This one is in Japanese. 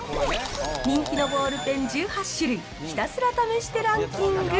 人気のボールペン１８種類ひたすら試してランキング。